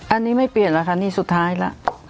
อันนี้ไม่เปลี่ยนแล้วค่ะนี่สุดท้ายแล้ว